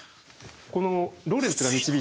このローレンツが導いた。